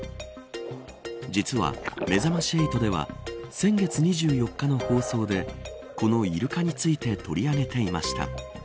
実は、めざまし８では先月２４日の放送でこのイルカについて取り上げていました。